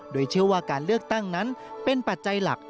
โดยเชื่อว่าการเลือกตั้งนั้นเป็นปัจจัยหลัก